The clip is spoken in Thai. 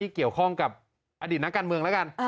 เกี่ยวข้องกับอดีตนักการเมืองแล้วกัน